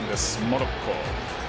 モロッコ。